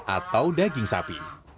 atau daging sapi